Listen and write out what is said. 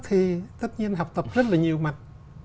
thì tất nhiên học tập rất là nhiều mặt